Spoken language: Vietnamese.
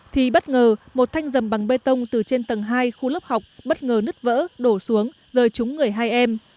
thì bất ngờ một thanh dầm bằng bê tông từ trên tầng hai khu lớp học bất ngờ nứt vỡ đổ xuống rời trúng người hai em